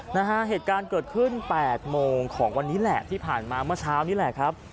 นะฮะเหตุการณ์เกิดขึ้นแปดโมงของวันนี้แหละที่ผ่านมาเมื่อเช้านี่แหละครับ